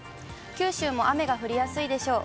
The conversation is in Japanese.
九州も雨が降りやすいでしょう。